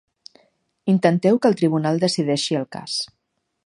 Intenteu que el tribunal decideixi el cas.